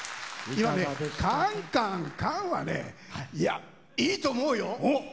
カンカンカンはねいやいいと思うよ！